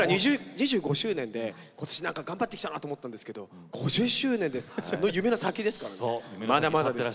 ２５周年で頑張ってきたなと思ったんですが５０周年、夢のその先ですからね。